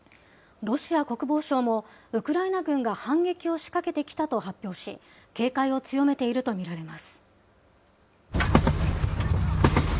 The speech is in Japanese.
ロシア国防省も、ウクライナ軍が反撃を仕掛けてきたと発表し、警戒を強めていると見られます。